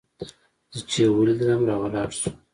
زه چې يې ولېدلم راولاړ سو.